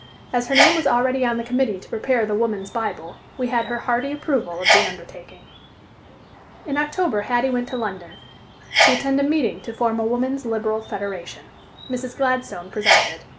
As her name was already on the committee to prepare "The Woman's Bible," we had her hearty approval of the undertaking. In October Hattie went to London, to attend a meeting to form a Woman's Liberal Federation. Mrs. Gladstone presided.